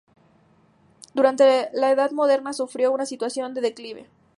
Durante la Edad Moderna sufrió una situación de declive.